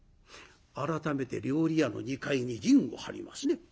改めて料理屋の２階に陣を張りましてね。